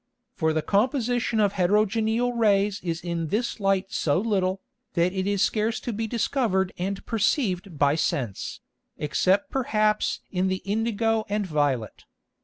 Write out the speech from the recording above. For the Composition of heterogeneal Rays is in this Light so little, that it is scarce to be discovered and perceiv'd by Sense, except perhaps in the indigo and violet.